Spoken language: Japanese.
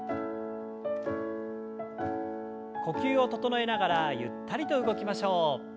呼吸を整えながらゆったりと動きましょう。